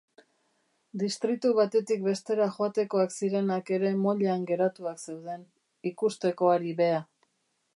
Distritu batetik bestera joatekoak zirenak ere moilan geratuak zeuden, ikustekoari beha.